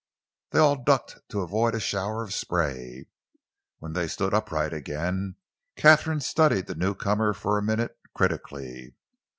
They all ducked to avoid a shower of spray. When they stood upright again, Katharine studied the newcomer for a minute critically.